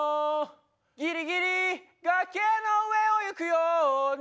「ギリギリ崖の上を行くように」